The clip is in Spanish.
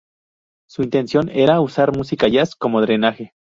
Su intención era usar música jazz como drenaje.